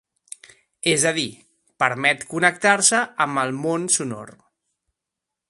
És a dir, permet connectar-se amb el món sonor.